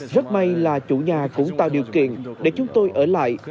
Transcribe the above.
rất may là chủ nhà cũng tạo điều kiện để chúng tôi ở lại